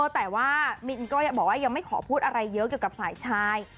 แต่ว่ามินก็ยังบอกว่ายังไม่ขอพูดอะไรเยอะเกี่ยวกับฝ่ายชาย